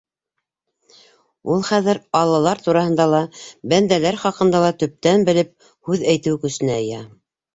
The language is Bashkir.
Ул хәҙер аллалар тураһында ла, бәндәләр хаҡында ла төптән белеп һүҙ әйтеү көсөнә эйә.